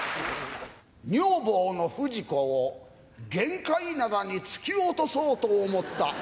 女房の冨士子を玄界灘に突き落とそうと思った。